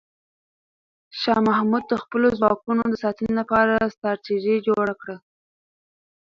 شاه محمود د خپلو ځواکونو د ساتنې لپاره ستراتیژي جوړه کړه.